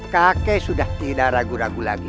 kakek sudah tidak ragu ragu lagi